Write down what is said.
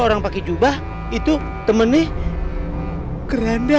orang pakai jubah itu temennya keranda